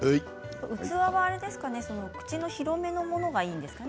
器は口が広めのものがいいんですかね。